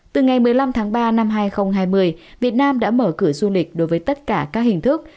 từ ngày một mươi năm tháng ba năm hai nghìn hai mươi việt nam đã mở cửa du lịch đối với tất cả các hình thức